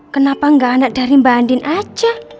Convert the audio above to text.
kenapa nggak anak dari mbak andin aja